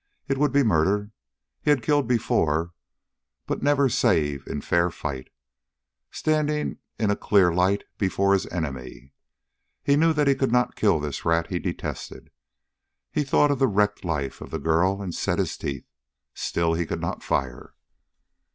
It would be murder. He had killed before, but never save in fair fight, standing in a clear light before his enemy. He knew that he could not kill this rat he detested. He thought of the wrecked life of the girl and set his teeth. Still he could not fire.